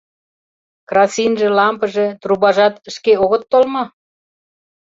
Красинже, лампыже, трубажат шке огыт тол мо?